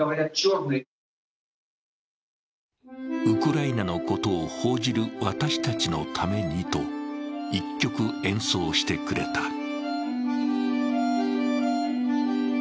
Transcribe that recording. ウクライナのことを報じる私たちのためにと、１曲演奏してくれた。